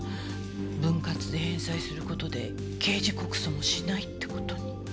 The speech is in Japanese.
分割で返済することで刑事告訴をしないってことに。